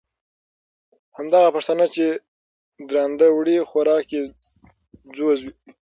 او همدغه پښتانه، چې درانده وړي خوراک یې ځوز وي،